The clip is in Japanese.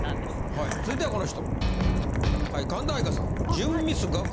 はい続いてはこの人。